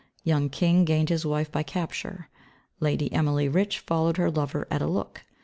Young King gained his wife by capture; Lady Emily Rich followed her lover at a look.